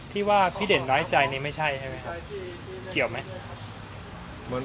พี่ว่าขี้เดดน้อยใจไม่ใช่ไหมครับเกี่ยวไหม